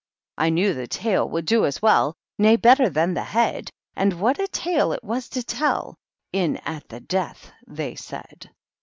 I knew the tail would do as welly Nayy better than the head. And what a tale it was to tell I ^ In at the death P they said.